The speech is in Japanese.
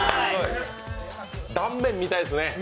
断面見たいですね。